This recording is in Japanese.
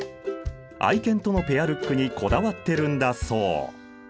愛犬とのペアルックにこだわってるんだそう。